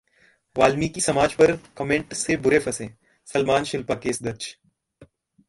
वाल्मीकि समाज पर कमेंट से बुरे फंसे सलमान-शिल्पा, केस दर्ज